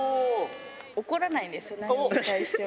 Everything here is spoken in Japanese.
怒らないんですよ、なんに対しても。